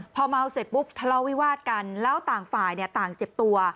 พอเมาเสร็จปุ๊บทะเลาวิวาสกันแล้วต่างฝ่ายต่างเจ็บตัว